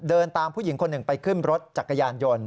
เดินตามผู้หญิงคนหนึ่งไปขึ้นรถจักรยานยนต์